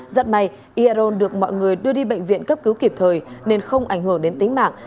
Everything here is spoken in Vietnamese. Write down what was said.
giật may y aron được mọi người đưa đi bệnh viện cấp cứu kịp thời nên không ảnh hưởng đến tính mạng